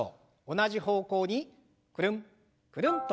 同じ方向にくるんくるんと